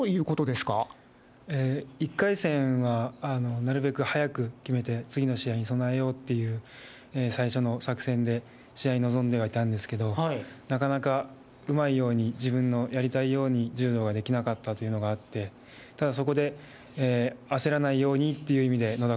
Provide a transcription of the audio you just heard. １回戦はなるべく早く決めて、次の試合に備えようという、最初の作戦で、試合に臨んではいたんですけど、なかなかうまいように、自分のやりたいように、柔道ができなかったというのがあって、ただそこで、焦らないようにという意味で、のだ